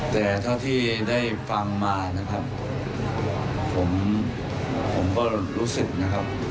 แต่เท่าที่ได้ฟังมานะครับผมผมก็รู้สึกนะครับ